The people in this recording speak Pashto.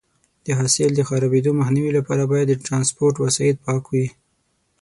د حاصل د خرابېدو مخنیوي لپاره باید د ټرانسپورټ وسایط پاک وي.